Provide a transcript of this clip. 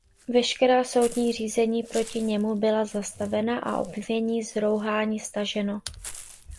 Veškerá soudní řízení proti němu byla zastavena a obvinění z rouhání staženo.